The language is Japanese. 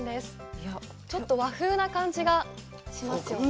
ちょっと和風な感じがしますよね。